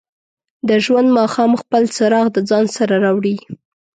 د ژوند ماښام خپل څراغ د ځان سره راوړي.